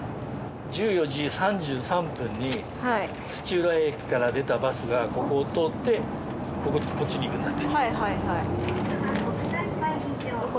１４時３３分に土浦駅から出たバスがここを通ってこっちに行くんだって。